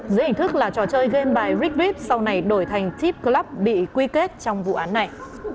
dưới hình thức là trò chơi game bài rickwep sau này đổi thành tip club bị quy kết trong vụ án này